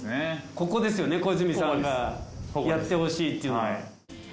ここですよね小泉さんがやってほしいっていうのは。